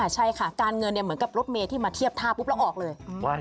ใช่ค่ะการเงินเหมือนกับรถเมย์ที่มาเทียบท่าปุ๊บแล้วออกเลย